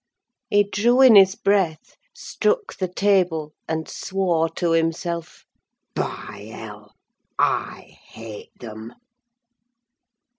He drew in his breath, struck the table, and swore to himself, "By hell! I hate them."